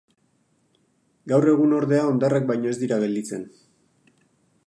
Gaur egun ordea hondarrak baino ez dira gelditzen.